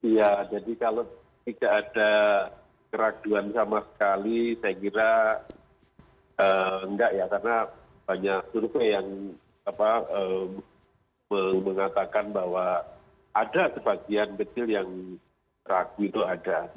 ya jadi kalau tidak ada keraguan sama sekali saya kira enggak ya karena banyak survei yang mengatakan bahwa ada sebagian kecil yang ragu itu ada